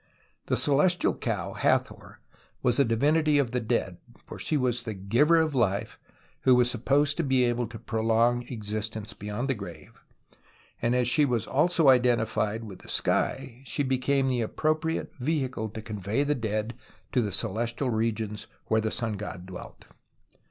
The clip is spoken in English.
The Celestial Cow, Hathor, was a divinity of the dead, for she was the Giver of Life who was supposed to be able to prolong existence beyond the grave, and as she was also identi GETTING TO HEAVEN 107 fied with the sky she became the appropriate vehicle to convey the dead to the celestial regions where the sun god dwelt.